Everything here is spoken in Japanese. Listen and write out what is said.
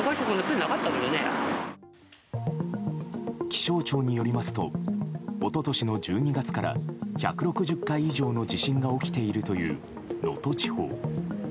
気象庁によりますと一昨年の１２月から１６０回以上の地震が起きているという能登地方。